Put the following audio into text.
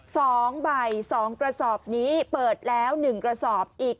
สองใบสองกระสอบนี้เปิดแล้วหนึ่งกระสอบอีก